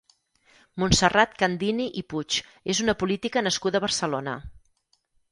Montserrat Candini i Puig és una política nascuda a Barcelona.